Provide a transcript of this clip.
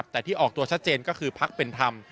แต่ที่ออกตัวชัดเจนก็คือพักเป็นธรรม